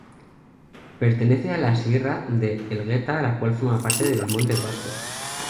Pertenece a las sierra de Elgueta la cual forma parte de los Montes Vascos.